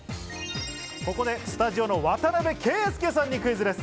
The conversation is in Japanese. ここでスタジオの渡邊圭祐さんにクイズです。